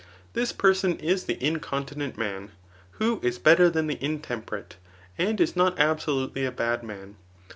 This person is the incontinent man, who is better than the intemperate, and is not absolutely a bad man.